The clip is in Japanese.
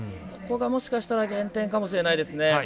ここがもしかしたら減点かもしれないですね。